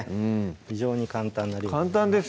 非常に簡単な料理です